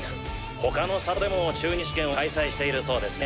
他の里でも中忍試験を開催しているそうですね。